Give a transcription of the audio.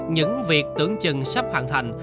những việc tưởng chừng sắp hoàn thành